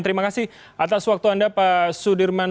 terima kasih atas waktu anda pak sudirman